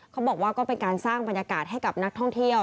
เขาบอกว่าก็เป็นการสร้างบรรยากาศให้กับนักท่องเที่ยว